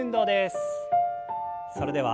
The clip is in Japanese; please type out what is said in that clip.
それでは。